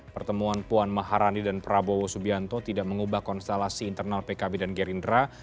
pertemuan puan maharani dan prabowo subianto tidak mengubah konstelasi internal pkb dan gerindra